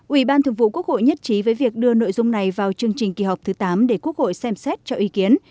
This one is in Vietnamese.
ủy ban thường vụ quốc hội nhất trí với việc đưa nội dung này vào chương trình kỳ họp thứ tám để quốc hội xem xét cho ý kiến